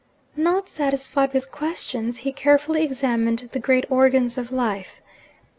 Not satisfied with questions, he carefully examined the great organs of life.